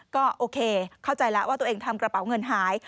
ก็โอเคเข้าใจแล้วว่าตัวเองทำกระเป๋าเงินหาย